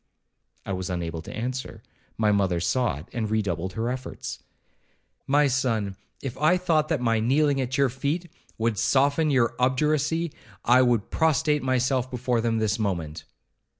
I was unable to answer, my mother saw it, and redoubled her efforts. 'My son, if I thought that my kneeling at your feet would soften your obduracy, I would prostrate myself before them this moment.'